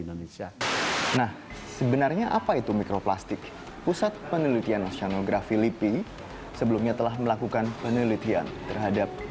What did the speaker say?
indonesia nah sebenarnya apa itu mikroplastik pusat penelitian nasional graf filipi sebelumnya telah